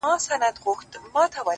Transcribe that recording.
د هغې خوله ; شونډي ; پېزوان او زنـي;